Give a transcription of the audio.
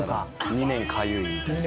「２年かゆい」